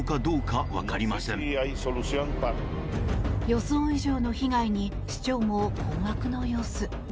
予想以上の被害に市長も困惑の様子。